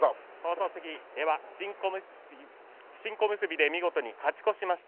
新小結で見事に勝ち越しました